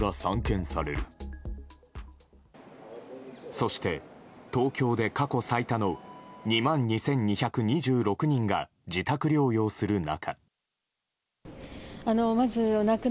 そして東京で過去最多の２万２２２６人が自宅療養する中。